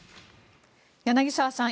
柳澤さん